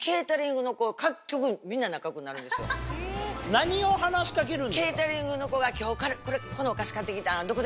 何を話しかけるんですか？